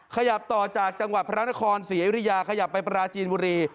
ขยับต่อจากจังหวัดพระนครศรีอยุธยาขยับไปปราจีนบุรี